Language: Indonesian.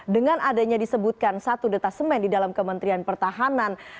dengan adanya disebutkan satu detasemen di dalam kementerian pertahanan